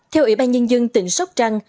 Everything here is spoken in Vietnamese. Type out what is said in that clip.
theo ủy ban nhân dân tỉnh sóc trăng